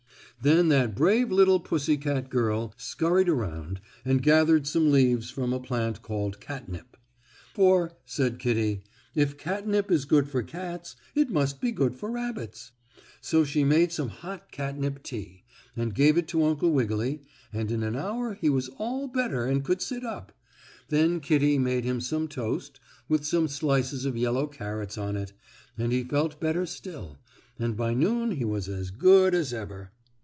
Then that brave little pussy girl scurried around, and gathered some leaves from a plant called catnip. "For," said Kittie, "if catnip is good for cats, it must be good for rabbits." So she made some hot catnip tea, and gave it to Uncle Wiggily, and in an hour he was all better and could sit up. Then Kittie made him some toast with some slices of yellow carrots on it, and he felt better still, and by noon he was as good as ever.